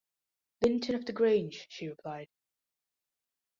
'Linton of the Grange,’ she replied.